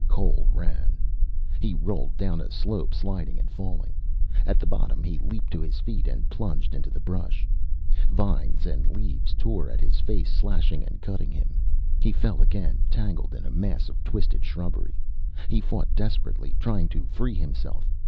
Cole ran. He rolled down a slope, sliding and falling. At the bottom he leaped to his feet and plunged into the brush. Vines and leaves tore at his face, slashing and cutting him. He fell again, tangled in a mass of twisted shrubbery. He fought desperately, trying to free himself.